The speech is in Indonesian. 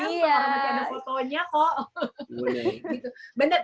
orang orang yang ada fotonya kok